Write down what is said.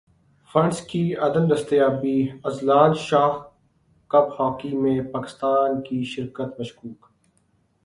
funds کی عدم دستیابی اذلان شاہ کپ ہاکی میں پاکستان کی شرکت مشکوک